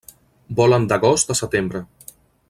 Volen d'agost a setembre.